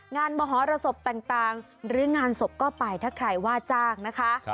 มหรสบต่างหรืองานศพก็ไปถ้าใครว่าจ้างนะคะ